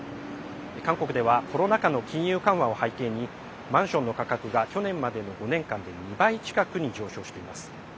韓国ではコロナ禍の金融緩和を背景にマンションの価格が去年までの５年間で２倍近くに上昇しています。